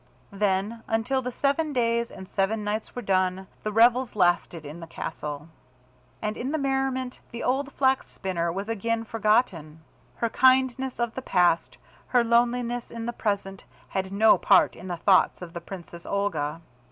Then until the seven days and seven nights were done, the revels lasted in the castle. And in the merriment the old Flax spinner was again forgotten. Her kindness of the past, her loneliness in the present had no part in the thoughts of the Princess Olga.